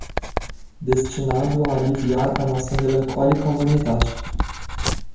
destinado a aliviar a nossa melancólica humanidade